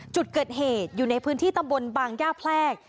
จุดเกิดเหตุอยู่ในพื้นที่ตำบลบางย่าแพรก